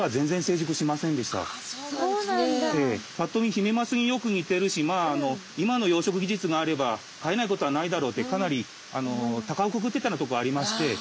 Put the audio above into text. ぱっと見ヒメマスによく似てるし今の養殖技術があれば飼えないことはないだろうってかなりたかをくくってたようなところありまして。